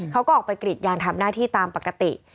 เขาก็ออกไปกรีดยางทำหน้าที่ตามปกติ